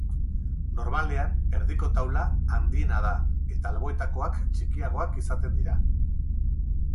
Normalean, erdiko taula handiena da eta alboetakoak txikiagoak izaten dira.